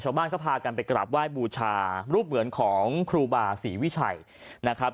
ชาวบ้านก็พากันไปกราบไหว้บูชารูปเหมือนของครูบาศรีวิชัยนะครับ